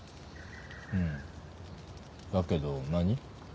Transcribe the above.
うん「だけど」何？